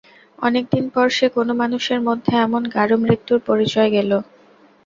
অনেক দিন পর সে কোনো মানুষের মধ্যে এমন গাঢ় মৃত্যুর পরিচয় গেল।